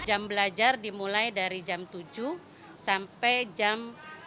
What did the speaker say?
jam belajar dimulai dari jam tujuh sampai jam sepuluh empat puluh lima